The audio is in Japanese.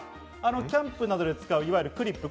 キャンプなどで使う、いわゆるクリップ。